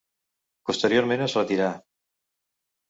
Posteriorment es retirà.